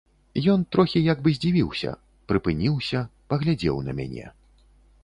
Ён трохі як бы здзівіўся, прыпыніўся, паглядзеў на мяне.